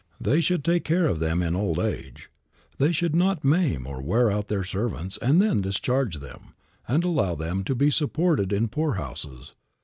They should take care of them in old age. They should not maim and wear out their servants and then discharge them, and allow them to be supported in poorhouses.